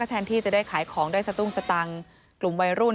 แทนที่จะได้ขายของได้สตุ้งสตังค์กลุ่มวัยรุ่น